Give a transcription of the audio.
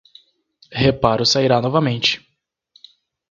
Reparo sairá novamente